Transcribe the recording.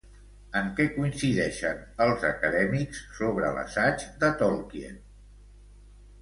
En què coincideixen els acadèmics sobre l'assaig de Tolkien?